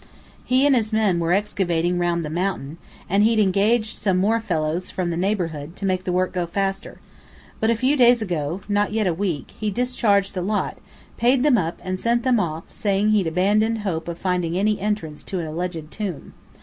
He and his men were excavating round the mountain, and he'd engaged some more fellows from the neighbourhood to make the work go faster. But a few days ago not yet a week he discharged the lot, paid them up and sent them off saying he'd abandoned hope of finding any entrance to an alleged tomb.